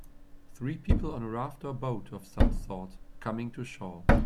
Three people on a raft or boat of some sort coming to shore.